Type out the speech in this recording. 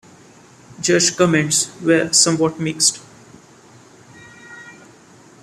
Judge comments were somewhat mixed.